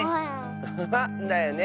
アハハだよね。